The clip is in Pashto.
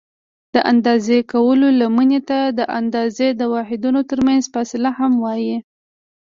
د اندازه کولو لمنې ته د اندازې د حدونو ترمنځ فاصله هم وایي.